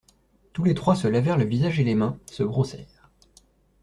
Tous les trois se lavèrent le visage et les mains, se brossèrent.